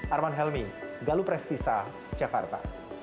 arman helmi galup restisa jakarta